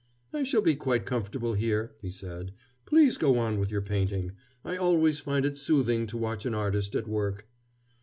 "I shall be quite comfortable here," he said. "Please go on with your painting. I always find it soothing to watch an artist at work."